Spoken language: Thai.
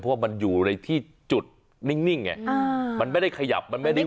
เพราะว่ามันอยู่ในที่จุดนิ่งไงมันไม่ได้ขยับมันไม่ได้